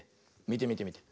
みてみてみて。